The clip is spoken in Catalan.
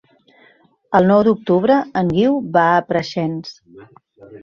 El nou d'octubre en Guiu va a Preixens.